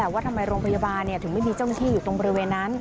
ว่าทำไมโรงพยาบาลถึงไม่มีเจ้าหน้าที่อยู่ตรงบริเวณนั้น